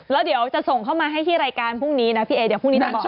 แล้วเดี๋ยวจะส่งเข้ามาให้ที่รายการพรุ่งนี้นะพี่เอเดี๋ยวพรุ่งนี้จะบอก